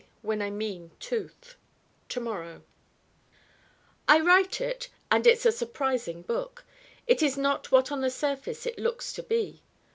Eye when I mean tooth To morrow I write it, and it's a surprising book. It is not what on the surface it looks to be.